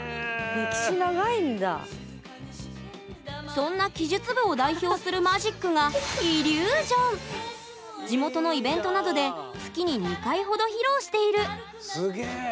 そんな奇術部を代表するマジックが地元のイベントなどで月に２回ほど披露しているすげえ！